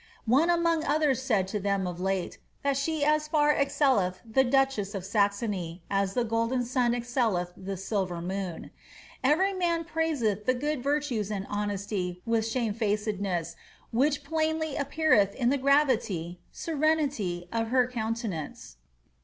One among others said to them of late, that she as far excelleth the duchess of Sax ony, as the golden sun excelleth the silver moon. Eveiy man * Ellis, Royal Letteri. ANNE OF CLEVE8* 339 the good virtues and honesty with shamefacedness, which plainly ap peareth in the gravity ^serenity) of her countenance."